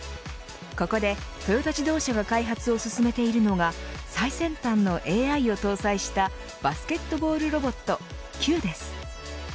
ここでトヨタ自動車が開発を進めているのが最先端のＡＩを搭載したバスケットボールロボットＣＵＥです。